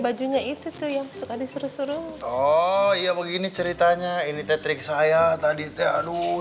bajunya itu tuh yang suka disuruh seru oh ya begini ceritanya ini tetrik saya tadi aduh